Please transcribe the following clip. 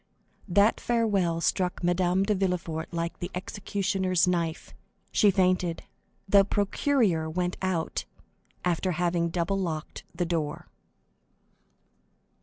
That farewell struck Madame de Villefort like the executioner's knife. She fainted. The procureur went out, after having double locked the door.